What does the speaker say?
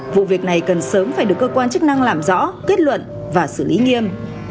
vụ việc này cần sớm phải được cơ quan chức năng làm rõ kết luận và xử lý nghiêm